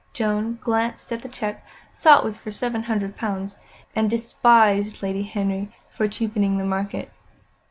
Joan glanced at the cheque, saw it was for seven hundred pounds, and despised Lady Henry for cheapening the market.